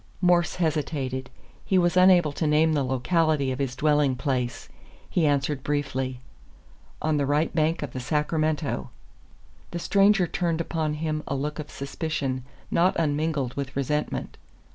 Morse hesitated. He was unable to name the locality of his dwelling place. He answered briefly: "On the right bank of the Sacramento." The stranger turned upon him a look of suspicion not unmingled with resentment.